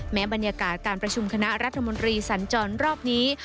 บรรยากาศการประชุมคณะรัฐมนตรีสัญจรรอบนี้